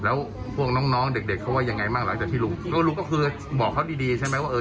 แล้วพวกน้องน้องเด็กเด็กเขาว่ายังไงบ้างหลังจากที่ลุงแล้วลุงก็คือบอกเขาดีดีใช่ไหมว่าเออ